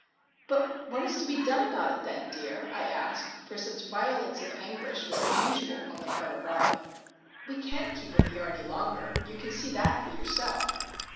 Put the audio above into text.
"But what is to be done about it then, dear?" I asked; for such violence of anguish was unusual on the part of Robin. "We can't keep him here any longer. You can see that for yourself."